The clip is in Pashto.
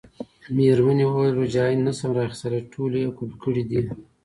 مېرمنې وویل: روجایانې نه شم را اخیستلای، ټولې یې قلف کړي دي.